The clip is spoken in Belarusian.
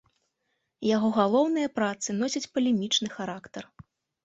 Яго галоўныя працы носяць палемічны характар.